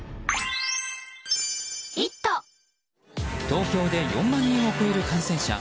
東京で４万人を超える感染者。